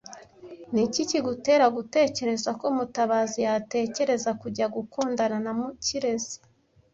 Ni iki kigutera gutekereza ko Mutabazi yatekereza kujya gukundana na Kirezi ?